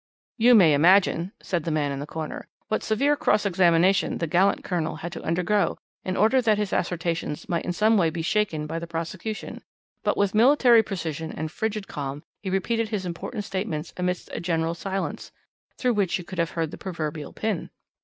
"You may imagine," said the man in the corner, "what severe cross examination the gallant Colonel had to undergo in order that his assertions might in some way be shaken by the prosecution, but with military precision and frigid calm he repeated his important statements amidst a general silence, through which you could have heard the proverbial pin.